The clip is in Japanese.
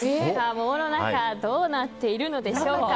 桃の中どうなっているでしょうか。